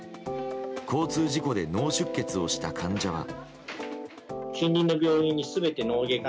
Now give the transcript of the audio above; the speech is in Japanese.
交通事故で脳出血をした患者は。